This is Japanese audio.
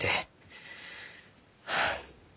はあ。